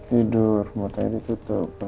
hidur matanya ditutup